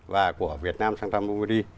và của việt nam sang thăm jumani